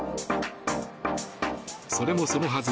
それもそのはず